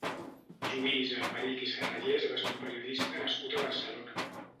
Lluís Almerich i Sellarés va ser un periodista nascut a Barcelona.